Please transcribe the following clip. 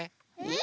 え？